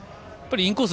インコース